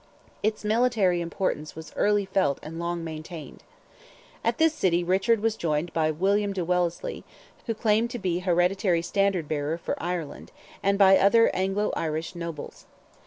Its military importance was early felt and long maintained. At this city Richard was joined by Sir William de Wellesley, who claimed to be hereditary standard bearer for Ireland, and by other Anglo Irish nobles.